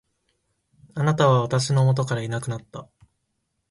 貴方は私の元からいなくなった。